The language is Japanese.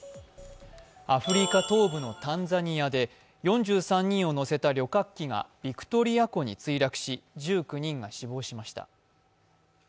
アフリカ東部のタンザニアで、４３人を乗せた旅客機がビクトリア湖に墜落し１９人が死亡しました。